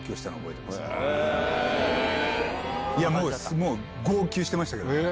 もう号泣してましたけどね。